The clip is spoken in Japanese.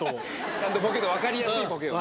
ちゃんと分かりやすいボケをね。